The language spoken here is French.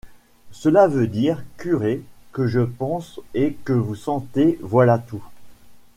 Cela veut dire, curé, que je pense et que vous sentez, voilà tout.